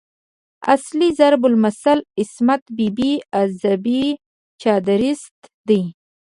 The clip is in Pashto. اصلي ضرب المثل "عصمت بي بي از بې چادريست" دی.